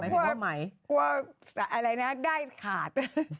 กลัวอะไรนะได้ขาด